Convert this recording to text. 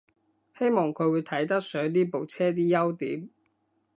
希望佢會睇得上呢部車啲優點